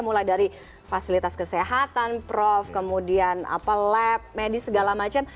mulai dari fasilitas kesehatan prof kemudian lab medis segala macam